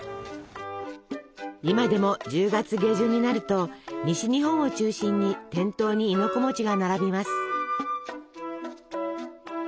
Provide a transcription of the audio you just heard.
今でも１０月下旬になると西日本を中心に店頭に亥の子が並びます。